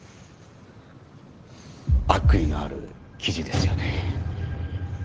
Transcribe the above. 悪意のある記事ですよね。